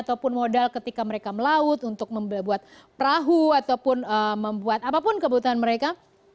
ataupun modal ketika mereka melaut untuk membuat perahu ataupun membuat apapun kebutuhan mereka